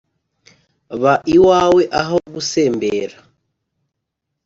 Ba iwawe aho gusembera